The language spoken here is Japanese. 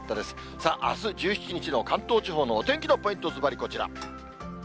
さあ、あす１７日の関東地方のお天気のポイント、ずばりこちら。